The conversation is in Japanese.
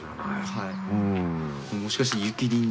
はい。